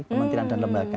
kementerian dan lembaga